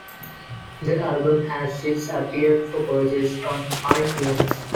The album has since appeared for purchase on iTunes.